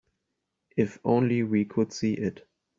If only we could see it.